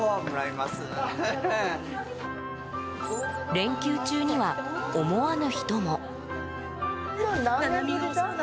連休中には思わぬ人も。